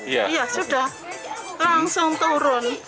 ya sudah langsung turun